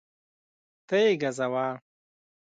ته یې ګزوه